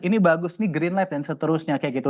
ini bagus ini green light dan seterusnya kayak gitu